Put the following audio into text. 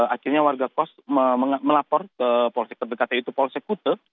akhirnya warga kos melapor ke polsek terdekat yaitu polsek kute